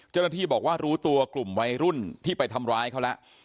เจ้าหน้าที่บอกว่ารู้ตัวกลุ่มวัยรุ่นที่ไปทำร้ายเขาแล้ว